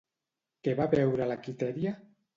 Què va veure la Quitèria?